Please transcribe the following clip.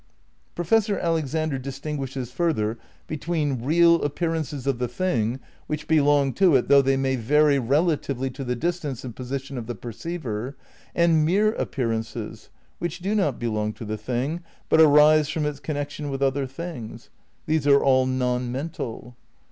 Professor Alexander distinguishes further between "real" appearances of the thing, which belong to it though they may vary relatively to the distance and position of the perceiver, and "mere" appearances, which do not belong to the thing but arise from its connection with other things. These are all non mental.